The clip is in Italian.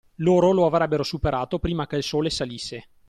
Loro lo avrebbero superato prima che il Sole salisse.